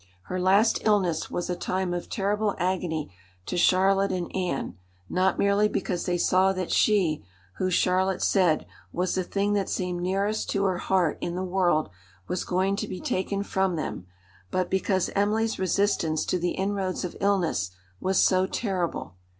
Her last illness was a time of terrible agony to Charlotte and Anne, not merely because they saw that she who, Charlotte said, was the thing that seemed nearest to her heart in the world was going to be taken from them, but because Emily's resistance to the inroads of illness was so terrible.